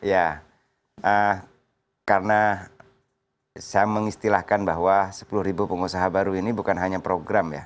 ya karena saya mengistilahkan bahwa sepuluh pengusaha baru ini bukan hanya program ya